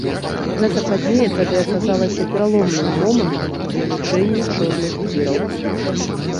Гэта падзея тады аказалася пераломным момантам у вывучэнні чорных дзіраў.